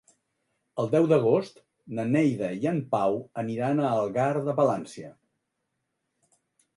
El deu d'agost na Neida i en Pau aniran a Algar de Palància.